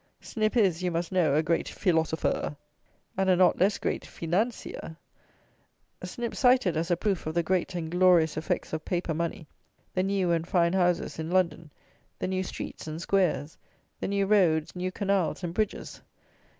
Snip is, you must know, a great feelosofer, and a not less great feenanceer. Snip cited, as a proof of the great and glorious effects of paper money, the new and fine houses in London, the new streets and squares, the new roads, new canals and bridges.